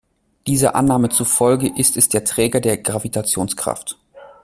Dieser Annahme zufolge ist es der Träger der Gravitationskraft.